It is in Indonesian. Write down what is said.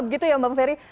begitu ya bang ferry